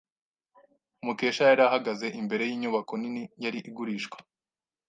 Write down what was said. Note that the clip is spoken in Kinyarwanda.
Mukesha yari ahagaze imbere yinyubako nini yari igurishwa.